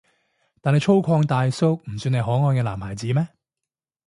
但係粗獷大叔唔算係可愛嘅男孩子咩？